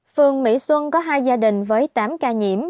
phường mỹ xuân có hai gia đình với tám ca nhiễm